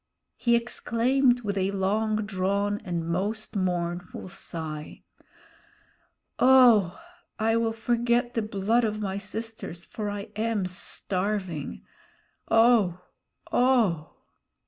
He exclaimed, with a long drawn and most mournful sigh: "Oh! I will forget the blood of my sisters, for I am starving. Oh! oh!"